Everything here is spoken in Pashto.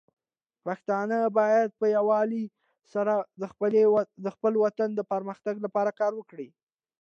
پښتانه بايد په يووالي سره د خپل وطن د پرمختګ لپاره کار وکړي.